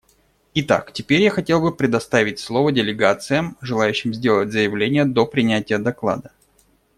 Итак, теперь я хотел бы предоставить слово делегациям, желающим сделать заявление до принятия доклада.